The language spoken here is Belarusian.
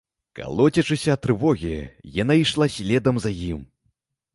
Калоцячыся ад трывогі, яна ішла следам за ім.